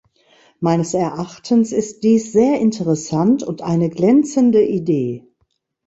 Meines Erachtens ist dies sehr interessant und eine glänzende Idee.